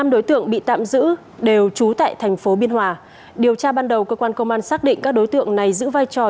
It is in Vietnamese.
năm đối tượng bị tạm giữ đều trú tại thành phố biên hòa điều tra ban đầu cơ quan công an xác định các đối tượng này giữ vai trò